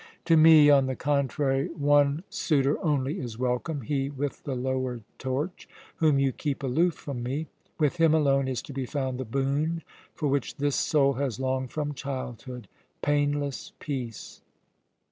To me, on the contrary, one suitor only is welcome, he with the lowered torch, whom you keep aloof from me. With him alone is to be found the boon for which this soul has longed from childhood painless peace!